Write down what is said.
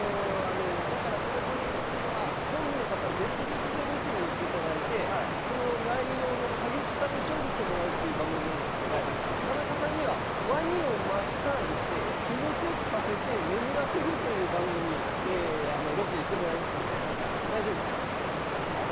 この番組はコンビの方々別々でロケに行っていただいて内容の過激さで勝負してもらう番組なんですけど田中さんにはワニをマッサージして気持ちよくさせて眠らせるというロケに行ってもらいますので大丈夫かな？